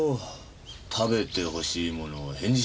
食べてほしいものは返事しろ。